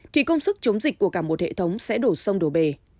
thì công sức chống dịch của cả một hệ thống sẽ đổ sông đổ bề